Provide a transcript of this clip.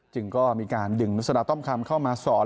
จึงก็มีการดึงนุษฎาต้อมคำเข้ามาสอน